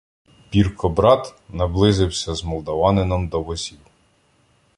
Пірко-брат наблизився з молдаванином до возів.